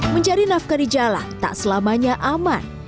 mencari nafkah di jalan tak selamanya aman